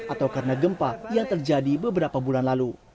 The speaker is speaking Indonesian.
atau karena gempa yang terjadi beberapa bulan lalu